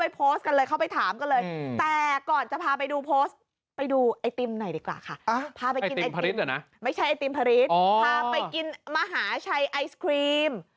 พาไปกินมหาชัยไอศครีม